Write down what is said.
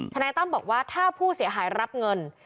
นายตั้มบอกว่าถ้าผู้เสียหายรับเงิน